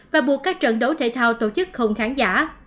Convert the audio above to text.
và buộc các trận đấu thể thao tổ chức không khán giả